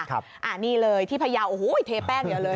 ครับอ่านี่เลยที่พยาวโอ้โหเฮ้เทแป้งอยู่เลย